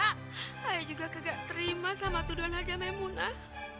hah saya juga kagak terima sama tuduhan haja memunah